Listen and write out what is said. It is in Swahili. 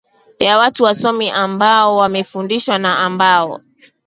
ya watu wasomi ambao wamefundishwa na ambao